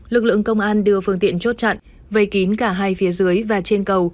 lực lượng công an đưa phương tiện chốt chặn vây kín cả hai phía dưới và trên cầu